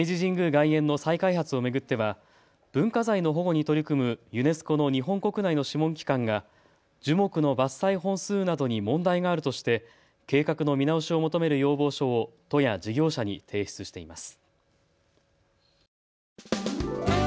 外苑の再開発を巡っては文化財の保護に取り組むユネスコの日本国内の諮問機関が樹木の伐採本数などに問題があるとして計画の見直しを求める要望書を都や事業者に提出しています。